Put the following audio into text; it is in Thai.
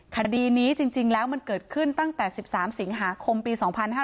คดีนี้จริงแล้วมันเกิดขึ้นตั้งแต่๑๓สิงหาคมปี๒๕๕๙